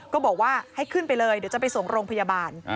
ก็บอกว่าให้ขึ้นไปเลยเดี๋ยวจะไปส่งโรงพยาบาล